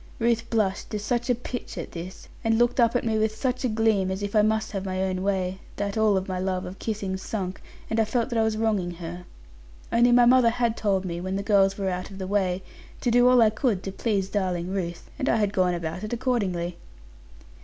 Ruth blushed to such a pitch at this, and looked up at me with such a gleam; as if I must have my own way; that all my love of kissing sunk, and I felt that I was wronging her. Only my mother had told me, when the girls were out of the way, to do all I could to please darling Ruth, and I had gone about it accordingly.